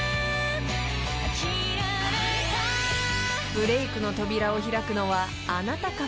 ［ブレークの扉を開くのはあなたかも］